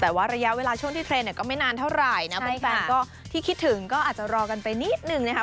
แต่ว่าระยะเวลาช่วงที่เทรนดเนี่ยก็ไม่นานเท่าไหร่นะแฟนก็ที่คิดถึงก็อาจจะรอกันไปนิดนึงนะคะ